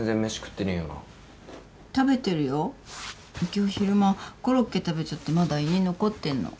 今日昼間コロッケ食べちゃってまだ胃に残ってんの。